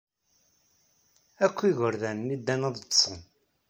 Akk igerdan-nni ddan ad ḍḍsen.